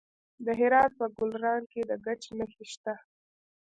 د هرات په ګلران کې د ګچ نښې شته.